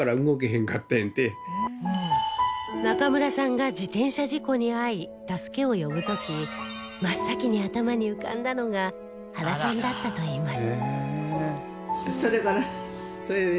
中村さんが自転車事故に遭い助けを呼ぶ時真っ先に頭に浮かんだのが原さんだったといいます